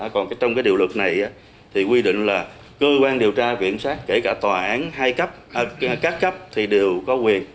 còn trong cái điều luật này thì quy định là cơ quan điều tra viện kiểm soát kể cả tòa án hai cấp các cấp thì đều có quyền